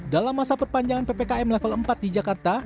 dalam masa perpanjangan ppkm level empat di jakarta